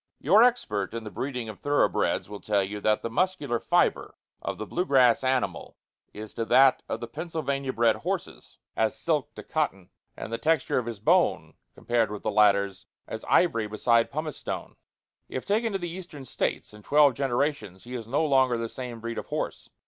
Your expert in the breeding of thoroughbreds will tell you that the muscular fibre of the blue grass animal is to that of the Pennsylvania bred horses as silk to cotton, and the texture of his bone, compared with the latter's, as ivory beside pumice stone. If taken to the Eastern States, in twelve generations he is no longer the same breed of horse.